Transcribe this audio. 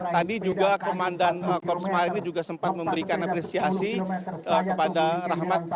tadi juga komandan korps marinir juga sempat memberikan apresiasi kepada rahmat